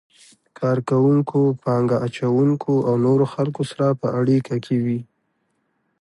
کار کوونکو، پانګه اچونکو او نورو خلکو سره په اړیکه کې وي.